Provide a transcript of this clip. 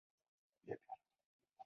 بایسکل د سفر یوه غوره وسیله ده.